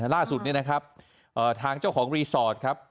ล่าสุดนี้นะครับทางเจ้าของรีสอร์ทครับ